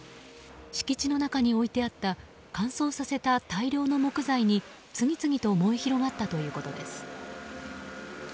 敷地の中に置いてあった乾燥させた大量の木材に次々と燃え広がったということです。